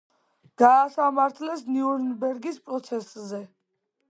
გაასამართლეს ნიურნბერგის პროცესზე.